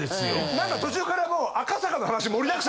なんか途中からもう。